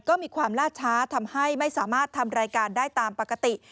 ก็มีความล่าช้าทำให้ไม่สามารถทำรายการได้ตามปกติ